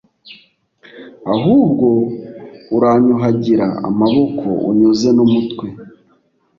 ahubwo uranyuhagira amaboko, unyoze n'umutwe."